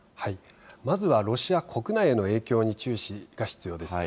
まずはロシア国内への影響に注視が必要です。